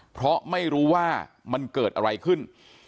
เพราะไม่รู้ว่ามันเกิดอะไรขึ้น